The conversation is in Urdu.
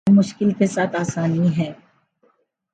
ہر مشکل کے ساتھ آسانی ہے